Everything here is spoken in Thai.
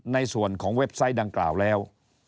ในส่วนของเว็บไซต์ดังกล่าวแล้ว